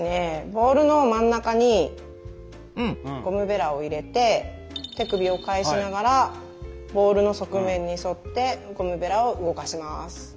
ボウルの真ん中にゴムベラを入れて手首を返しながらボウルの側面に沿ってゴムベラを動かします。